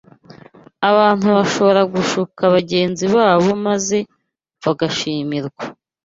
Abantu bashobora gushuka bagenzi babo maze bagashimirwa